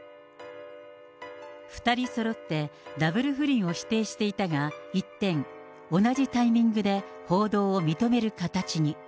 ２人そろってダブル不倫を否定していたが、一転、同じタイミングで報道を認める形に。